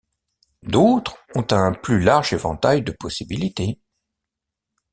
D'autres ont un plus large éventail de possibilités.